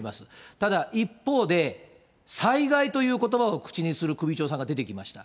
ただ、一方で災害ということばを口にする首長さんが出てきました。